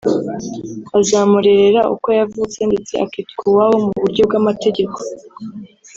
bazamurera uko yavutse ndetse akitwa uwabo mu buryo bw’amategeko